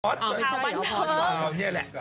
ข่าวบันเทิง